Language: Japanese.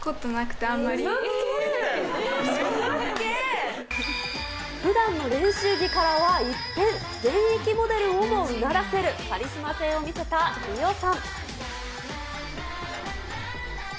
うそつけー！ふだんの練習着からは一変、現役モデルをもうならせるカリスマ性を見せたリオさん。